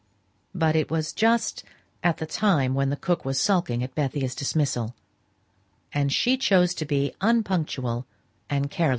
But it was just at the time when the cook was sulking at Bethia's dismissal and she chose to be unpunctual and careless.